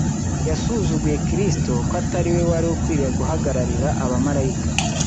Yasuzuguye Kristo ko atari we wari ukwiriye guhagararira abamarayika;